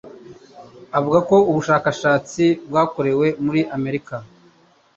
Avuga ko ubushakashatsi bwakorewe muri Amerika.